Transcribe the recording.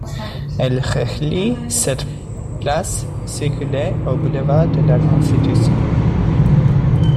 Elle relie cette place circulaire au boulevard de la Constitution.